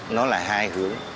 nó là hai hướng